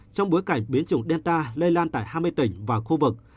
trong bối cảnh biến chủng delta lây lan tại hai mươi tỉnh và khu vực